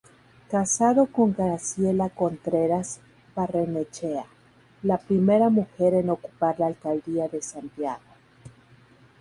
Casado con Graciela Contreras Barrenechea, la primera mujer en ocupar la alcaldía de Santiago.